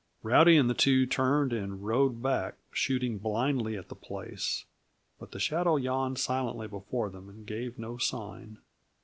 Rowdy and the two turned and rode back, shooting blindly at the place, but the shadow yawned silently before them and gave no sign.